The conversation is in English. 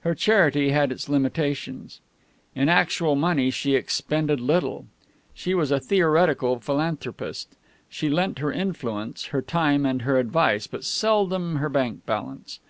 Her charity had its limitations. In actual money she expended little. She was a theoretical philanthropist. She lent her influence, her time, and her advice, but seldom her bank balance.